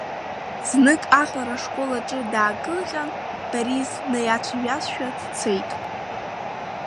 Знык аҟара ашкол аҿы даакылҟьан, Борис днаиацәажәазшәа дцеит.